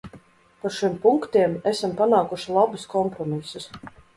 Par šiem punktiem esam panākuši labus kompromisus.